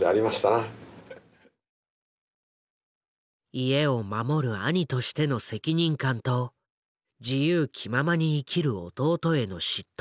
家を守る兄としての責任感と自由気ままに生きる弟への嫉妬。